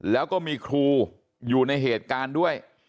แล้วก็มีครูอยู่ในเหตุการณ์ด้วย